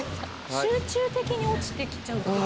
集中的に落ちてきちゃうっていう。